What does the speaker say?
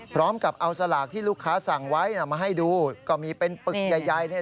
พร้อมกับเอาสลากที่ลูกค้าสั่งไว้มาให้ดูก็มีเป็นปึกใหญ่เนี่ย